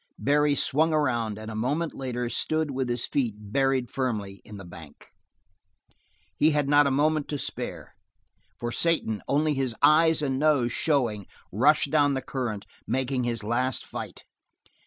Barry swung around and a moment later stood with his feet buried firmly in the bank. He had not a moment to spare, for Satan, only his eyes and his nose showing, rushed down the current, making his last fight.